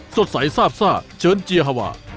สดใสซาบซ่าเชิญเจียฮาวา